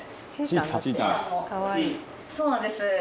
そうなんです。